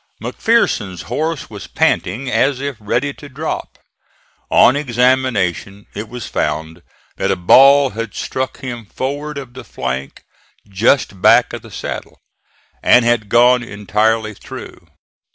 McPherson's horse was panting as if ready to drop. On examination it was found that a ball had struck him forward of the flank just back of the saddle, and had gone entirely through.